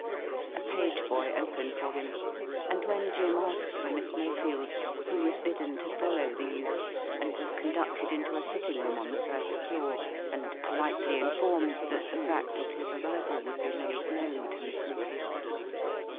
A page boy opened for him, and when Jim asked for Miss Morefield, he was bidden to follow the youth, and was conducted into a sitting room on the first floor, and politely informed that the fact of his arrival would be made known to Miss Morefield.